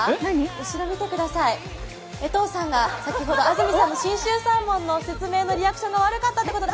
後ろ見てください、江藤さんが先ほど江藤さんが安住さんの信州サーモンの説明のリアクションが悪かったということで。